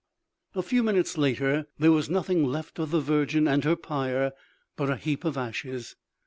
A few minutes later there was nothing left of the virgin and her pyre but a heap of ashes.